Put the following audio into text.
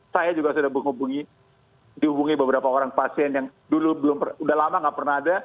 saya juga sudah menghubungi beberapa orang pasien yang dulu belum pernah sudah lama tidak pernah ada